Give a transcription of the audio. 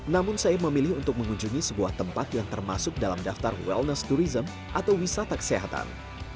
namun saya memilih untuk mengunjungi sebuah tempat yang termasuk dalam daftar wellness tourism atau wisata kesehatan